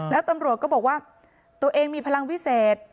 แล้วตำรวจก็บอกว่าตัวเองมีพลังวิเศษ